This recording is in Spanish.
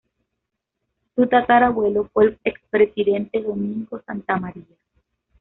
Su tatarabuelo fue el expresidente Domingo Santa Maria.